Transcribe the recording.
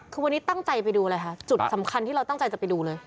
คือวันนี้ตั้งใจไปดูอะไรคะจุดสำคัญที่เราตั้งใจจะไปดูเลย